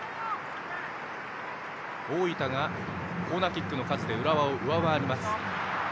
大分がコーナーキックの数で浦和を上回ります。